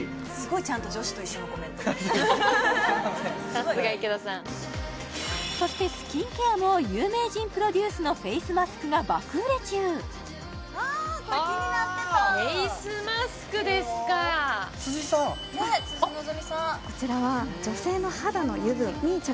さすが池田さんそしてスキンケアも有名人プロデュースのフェイスマスクが爆売れ中フェイスマスクですかこれは？辻さんねっ辻希美さん